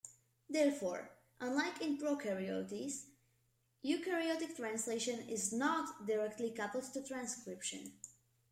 Therefore, unlike in prokaryotes, eukaryotic translation "is not" directly coupled to transcription.